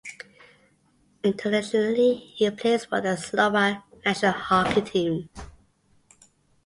Internationally, he plays for the Slovak national hockey team.